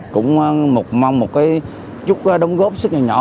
cũng mong một chút đóng góp rất là nhỏ